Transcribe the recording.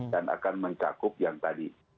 dan akan mencakup yang tadi